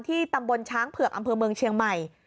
ตำบลช้างเผือกอำเภอเมืองเชียงใหม่